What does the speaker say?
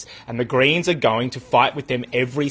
dan pemerintah akan berjuang untuk berjuang dengan mereka